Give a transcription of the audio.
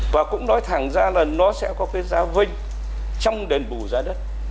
và cũng nói thẳng ra là nó sẽ có cái giá vinh trong đền bù giá đất